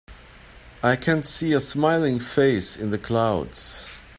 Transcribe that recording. I can see a smiling face in the clouds.